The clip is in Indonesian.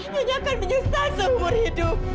ibunya akan menyusah seumur hidup